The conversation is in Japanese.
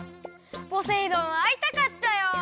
ポセイ丼あいたかったよ！